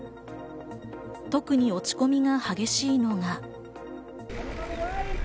特に落ち込みが激しいのが。